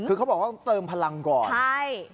คือเขาบอกว่าต้องเติมพลังก่อน